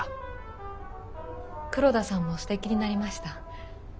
黒田さんもすてきになりました。